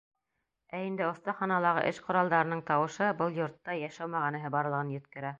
Ә инде оҫтаханалағы эш ҡоралдарының тауышы был йортта йәшәү мәғәнәһе барлығын еткерә.